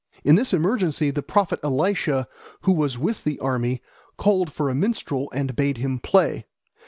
In this emergency the prophet Elisha, who was with the army, called for a minstrel and bade him play.